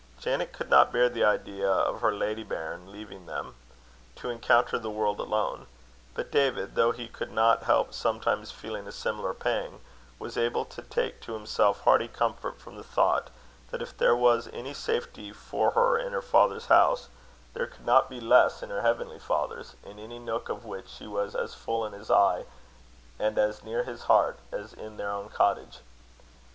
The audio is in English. Janet could not bear the idea of her lady bairn leaving them, to encounter the world alone; but David, though he could not help sometimes feeling a similar pang, was able to take to himself hearty comfort from the thought, that if there was any safety for her in her father's house, there could not be less in her heavenly Father's, in any nook of which she was as full in His eye, and as near His heart, as in their own cottage.